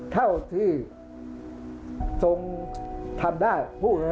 ภาคอีสานแห้งแรง